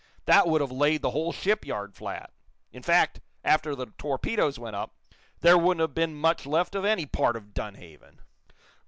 That would have laid the whole shipyard flat. In fact, after the torpedoes went up, there wouldn't have been much left of any part of Dunhaven!"